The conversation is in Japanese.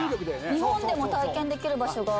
日本でも体験できる場所が。